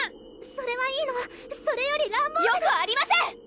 それはいいのそれよりランボよくありません！